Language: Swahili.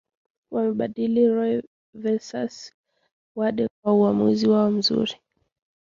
wamebadili Roe Versus Wade kwa uwamuzi wao mzuri